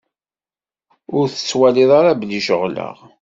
Ur tettwaliḍ ara belli ceɣleɣ?